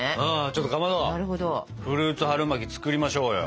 ちょっとかまどフルーツ春巻き作りましょうよ。